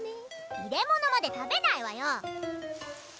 入れ物まで食べないわよ